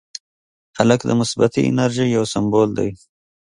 هلک د مثبتې انرژۍ یو سمبول دی.